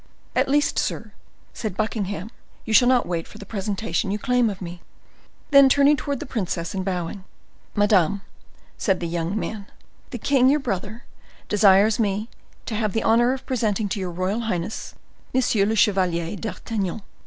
"At least, sir," said Buckingham, "you shall not wait for the presentation you claim of me." Then turning towards the princess and bowing: "Madam," said the young man, "the king, your brother, desires me to have the honor of presenting to your royal highness, Monsieur le Chevalier d'Artagnan."